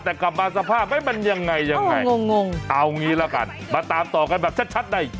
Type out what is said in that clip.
แต่กลับมาสภาพมันยังไงเอาอย่างนี้ละกันมาตามต่อกันแบบชัดใน